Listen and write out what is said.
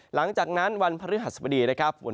หลังจากนั้นวันพฤหัสบดีนะครับ